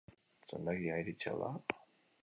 Sendagilea iritsi al da?